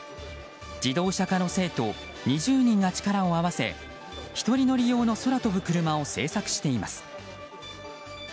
自動車科の生徒２０人が力を合わせ１人乗り用の空飛ぶクルマを製作しています。